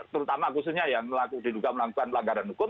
terutama khususnya yang dilakukan pelanggaran hukum